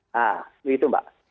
nah begitu mbak